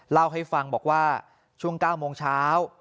เล่าให้ฟังบอกว่าช่วง๙โมงเช้า